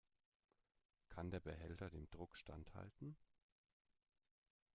Kann der Behälter dem Druck standhalten?